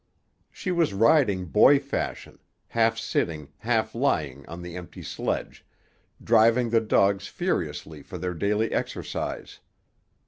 She was riding boy fashion, half sitting, half lying, on the empty sledge, driving the dogs furiously for their daily exercise.